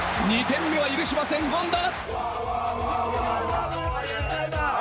２点目を許しません、権田。